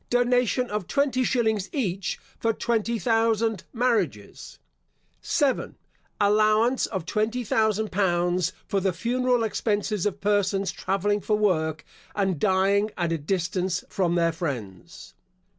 Donation of twenty shillings each for twenty thousand marriages. 7. Allowance of twenty thousand pounds for the funeral expenses of persons travelling for work, and dying at a distance from their friends.